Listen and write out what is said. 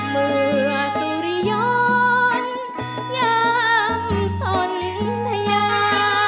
เมื่อสุริย้อนยังสนทยา